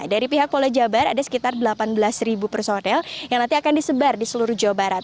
dari pihak polda jabar ada sekitar delapan belas personel yang nanti akan disebar di seluruh jawa barat